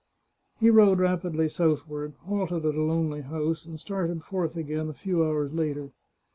He rode rapidly southward, halted at a lonely house, and started forth again a few hours later.